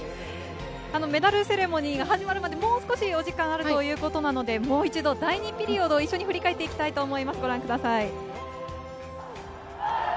メダルセレモニーが始まるまで、もう少しお時間あるということなので、もう一度第２ピリオドを一緒に振り返っていきたいと思います、ご覧ください。